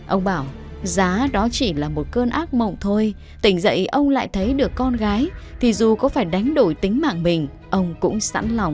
ông bảo giá đó chỉ là một cơn ác mộng thôi tỉnh dậy ông lại thấy được con gái thì dù có phải đánh đổi tính mạng mình ông cũng sẵn lòng